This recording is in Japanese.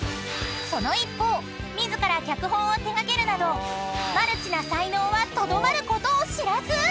［その一方自ら脚本を手掛けるなどマルチな才能はとどまることを知らず！］